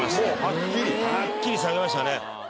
はっきり下げましたね